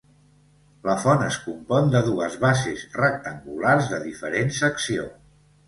La font es compon de dues bases rectangulars de diferent secció.